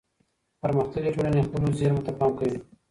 پرمختللې ټولني خپلو زیرمو ته پام کوي.